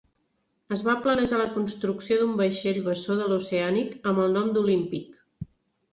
Es va planejar la construcció d'un vaixell bessó de l'"Oceanic" amb el nom d'"Olympic".